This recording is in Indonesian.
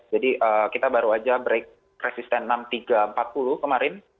jadi kita baru saja break resisten enam tiga ratus empat puluh kemarin